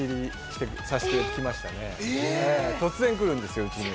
突然来るんですようちに。